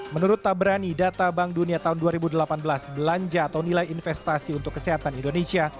menurut tabrani data bank dunia tahun dua ribu delapan belas belanja atau nilai investasi untuk kesehatan indonesia